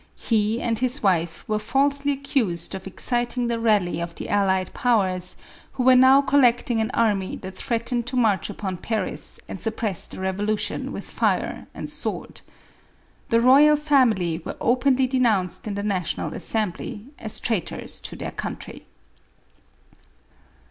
He and his wife were falsely accused of exciting the rally of the allied powers, who were now collecting an army that threatened to march upon Paris and suppress the revolution with fire and sword. The royal family were openly denounced in the National Assembly, as traitors to their country.